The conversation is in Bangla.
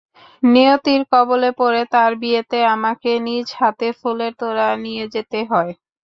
নিয়তির কবলে পড়ে তার বিয়েতে আমাকে নিজ হাতে ফুলের তোড়া নিয়ে যেতে হয়!